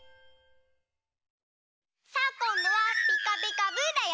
さあこんどは「ピカピカブ！」だよ。